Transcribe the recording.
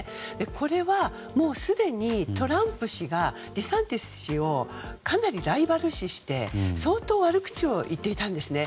これはもうすでにトランプ氏がデサンティス氏をかなりライバル視して相当悪口を言っていたんですね。